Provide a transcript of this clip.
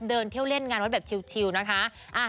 เดินเที่ยวเล่นงานวัดแบบชิลนะคะ